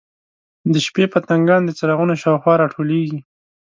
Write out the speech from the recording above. د شپې پتنګان د څراغونو شاوخوا راټولیږي.